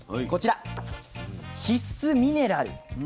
こちら必須ミネラル。